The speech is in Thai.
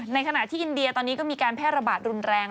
ขณะที่อินเดียตอนนี้ก็มีการแพร่ระบาดรุนแรง